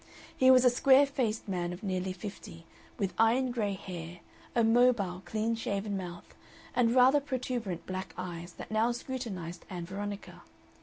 He was a square faced man of nearly fifty, with iron gray hair a mobile, clean shaven mouth and rather protuberant black eyes that now scrutinized Ann Veronica.